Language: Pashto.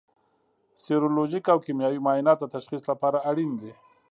سیرولوژیک او کیمیاوي معاینات د تشخیص لپاره اړین دي.